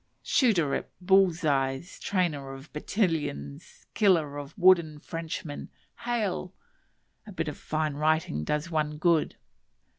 Shooter at "bulls' eyes," trainer of battalions, killer of wooden Frenchmen, hail! (A bit of fine writing does one good.)